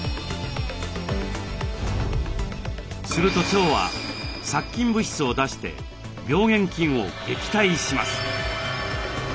すると腸は殺菌物質を出して病原菌を撃退します。